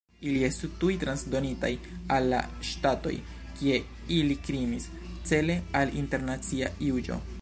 Ili estu tuj transdonitaj al la ŝtatoj, kie ili krimis, cele al internacia juĝo.